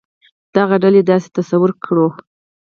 دغه ډلې داسې تصور کړو.